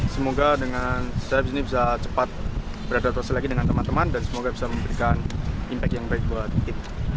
semoga saya bisa cepat berada di sini dengan teman teman dan semoga bisa memberikan impact yang baik buat tim